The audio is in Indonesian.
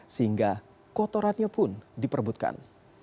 sehingga kotorannya pun diperbutkan